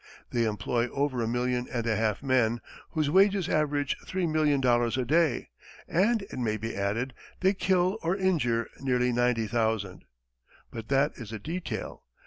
They employ over a million and a half men, whose wages average three million dollars a day and, it may be added, they kill or injure nearly ninety thousand. But that is a detail.